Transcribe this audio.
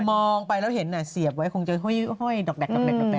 มองไปแล้วเห็นเสียบไว้คงจะห้อยดอก